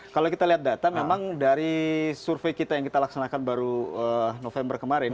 kalau kita lihat data memang dari survei kita yang kita laksanakan baru november kemarin